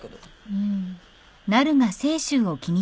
うん。